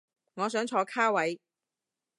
我想坐卡位